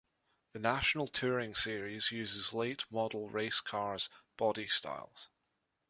The national touring series uses late model racecars body styles.